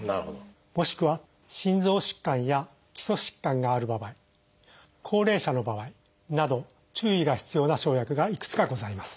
もしくは心臓疾患や基礎疾患がある場合高齢者の場合など注意が必要な生薬がいくつかございます。